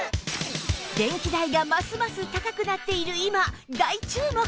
電気代がますます高くなっている今大注目！